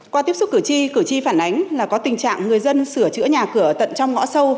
qua tiếp xúc cử tri cử tri phản ánh là có tình trạng người dân sửa chữa nhà cửa tận trong ngõ sâu